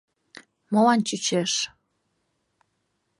— Молан чучеш?